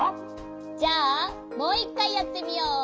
じゃあもういっかいやってみよう。